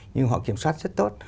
nhưng họ kiểm soát rất tốt